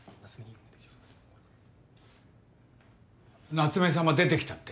夏目さま出てきたって。